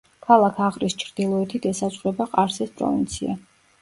ქალაქ აღრის ჩრდილოეთით ესაზღვრება ყარსის პროვინცია.